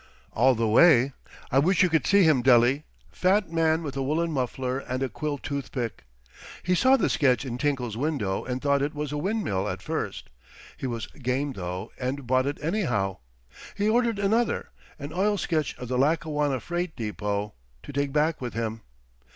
"All the way. I wish you could see him, Dele. Fat man with a woollen muffler and a quill toothpick. He saw the sketch in Tinkle's window and thought it was a windmill at first. He was game, though, and bought it anyhow. He ordered another—an oil sketch of the Lackawanna freight depot—to take back with him.